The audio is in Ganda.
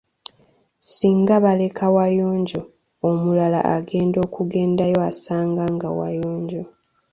Singa baleka wayonjo, omulala agenda okugendayo asanga nga wayonjo.